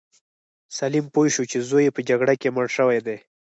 سلیم پوه شو چې زوی یې په جګړه کې مړ شوی دی.